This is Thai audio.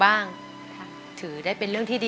สีหน้าร้องได้หรือว่าร้องผิดครับ